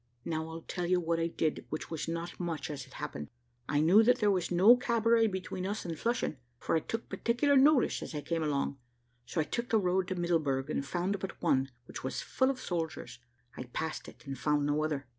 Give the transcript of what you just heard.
Now I'll tell you what I did, which was not much, as it happened. I knew that there was no cabaret between us and Flushing, for I took particular notice as I came along: so I took the road to Middleburg, and found but one, which was full of soldiers. I passed it, and found no other.